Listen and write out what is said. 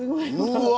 うわ！